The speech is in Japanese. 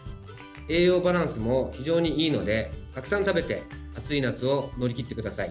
栄養バランスも非常にいいのでたくさん食べて暑い夏を乗り切ってください。